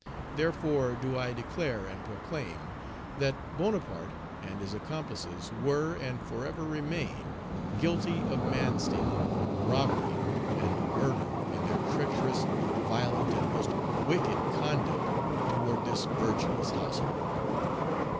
Therefore do I declare and proclaim, that Bonaparte and his accomplices were, and forever remain, guilty of man stealing, robbery, and murder, in their treacherous, violent, and most wicked conduct toward this virtuous household.